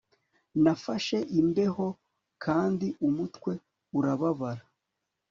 Nafashe imbeho kandi umutwe urababara